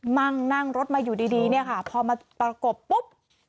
มั่งนั่งรถมาอยู่ดีพอมีดมาปรากฎปุ๊บ